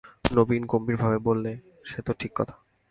নবীন গম্ভীর ভাবে বললে, সে তো ঠিক কথা।